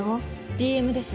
ＤＭです。